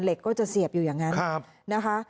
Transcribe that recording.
ก็จะเสียบอยู่อย่างนั้นนะคะ